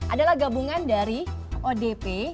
adalah gabungan dari odp